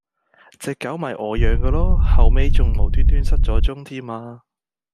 隻狗咪我養嗰囉，後尾重無端端失咗蹤添啊